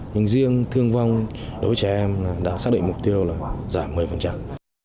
nhưng riêng thương vong đối với trẻ em đã xác định mục tiêu là giảm một mươi